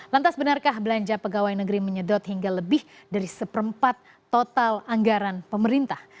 lantas benarkah belanja pegawai negeri menyedot hingga lebih dari seperempat total anggaran pemerintah